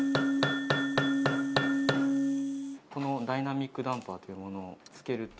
このダイナミックダンパーというものを付けると。